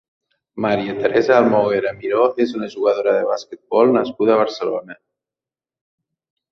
Maria Teresa Almoguera Miró és una jugadora de basquetbol nascuda a Barcelona.